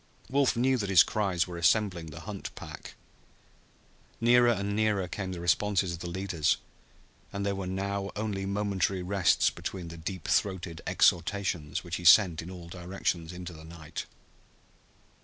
Wolf knew that his cries were assembling the hunt pack. Nearer and nearer came the responses of the leaders, and there were now only momentary rests between the deep throated exhortations which he sent in all directions into the night.